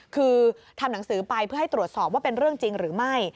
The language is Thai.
คือทำหนังสือไปเพื่อให้ตรวจสอบว่าเป็นเรื่องจริงหรือไม่